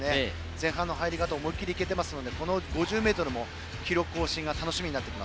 前半の入り方思い切りいけていますので５０ｍも記録更新が楽しみです。